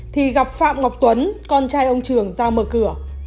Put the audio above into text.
thì gặp phạm ngọc tuấn con trai ông trường ra mở cửa